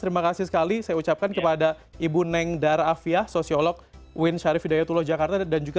terima kasih sekali saya ucapkan kepada ibu neng dar'afiah sosiolog win syarif hidayatullah jakarta dan juga mas firza radiyani